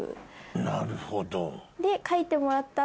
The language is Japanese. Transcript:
なるほど。